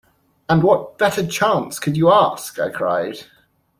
“And what better chance could you ask?” I cried.